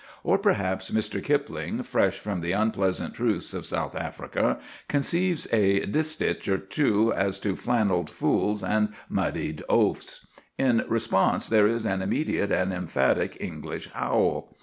Or perhaps Mr. Kipling, fresh from the unpleasant truths of South Africa, conceives a distich or two as to flannelled fools and muddied oafs. In response there is an immediate and emphatic English howl.